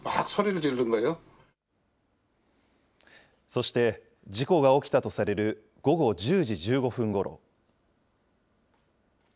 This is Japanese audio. そして、事故が起きたとされる午後１０時１５分ごろ。